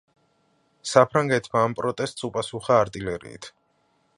საფრანგეთმა ამ პროტესტს უპასუხა არტილერიით.